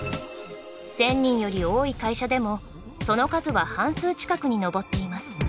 １，０００人より多い会社でもその数は半数近くに上っています。